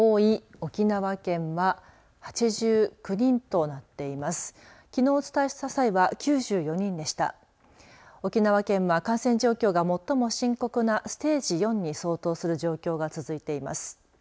沖縄県は感染状況が最も深刻なステージ４に相当する状況が続いています。